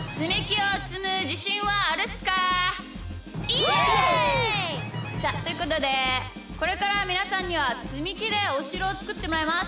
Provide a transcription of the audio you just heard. イエイ！さあということでこれからみなさんにはつみきでおしろをつくってもらいます！